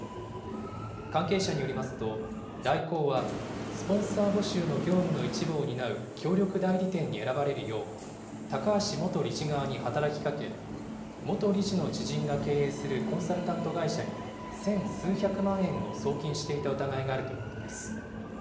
関係者によりますと、大広はスポンサー募集の業務の一部を担う協力代理店に選ばれるよう、高橋元理事側に働きかけ、元理事の知人が経営するコンサルタント会社に、千数百万円を送金していた疑いがあるということです。